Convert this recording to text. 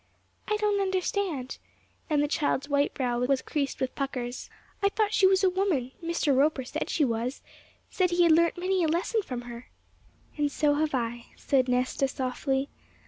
'I don't understand;' and the child's white brow was creased with puckers. 'I thought she was a woman: Mr. Roper said she was; he said he had learnt many a lesson from her.' 'And so have I,' said Nesta softly.